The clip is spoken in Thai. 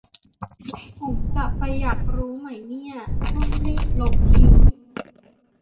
ผมจะไปอยากรู้ไหมเนี่ย ต้องรีบลบทิ้ง